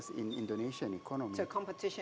pemain di ekonomi indonesia